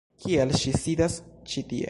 Kial ŝi sidas ĉi tie?